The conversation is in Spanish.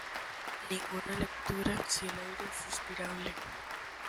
Ninguna lectura si el aire es respirable.